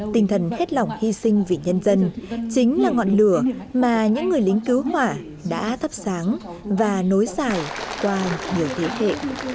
tinh thần khết lỏng hy sinh vì nhân dân chính là ngọn lửa mà những người lính cứu hỏa đã thắp sáng và nối xài qua nhiều thế hệ